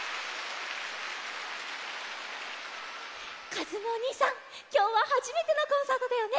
かずむおにいさんきょうははじめてのコンサートだよね？